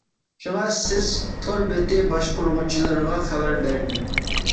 شۇڭا سىز تور بېتى باشقۇرغۇچىلىرىغا خەۋەر بەردىم.